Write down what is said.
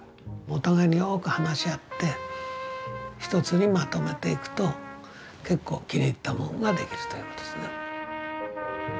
お互いによく話し合って一つにまとめていくと結構気に入ったもんができるということですな。